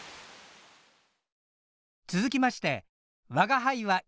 続きまして「わが輩は、犬」